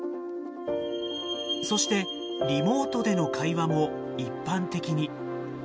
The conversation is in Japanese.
そしてリモートでの会話も一般的に。